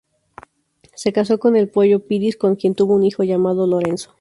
Se casó con el "Pollo" Píriz, con quien tuvo un hijo, llamado Lorenzo.